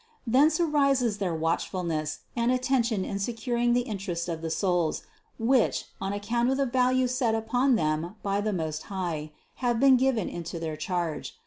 Thence arises their watch fulness and attention in securing the interests of the souls, which, on account of the value set upon them by the Most High, have been given into their charge.